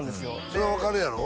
それは分かるやろ？